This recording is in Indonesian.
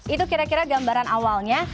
itu kira kira gambaran awalnya